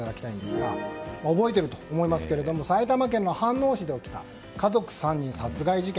覚えていると思いますけれども埼玉県の飯能市で起きた家族３人殺害事件。